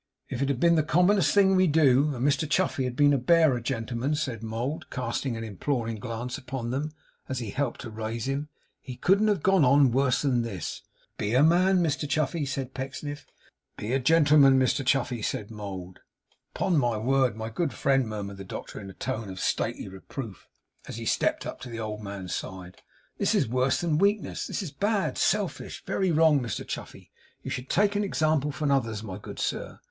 'If it had been the commonest thing we do, and Mr Chuffey had been a Bearer, gentlemen,' said Mould, casting an imploring glance upon them, as he helped to raise him, 'he couldn't have gone on worse than this.' 'Be a man, Mr Chuffey,' said Pecksniff. 'Be a gentleman, Mr Chuffey,' said Mould. 'Upon my word, my good friend,' murmured the doctor, in a tone of stately reproof, as he stepped up to the old man's side, 'this is worse than weakness. This is bad, selfish, very wrong, Mr Chuffey. You should take example from others, my good sir.